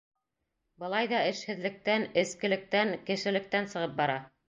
Былай ҙа эшһеҙлектән, эскелектән кешелектән сығып бара.